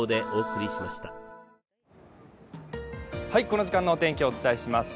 この時間のお天気、お伝えします